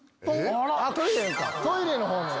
トイレの方のね。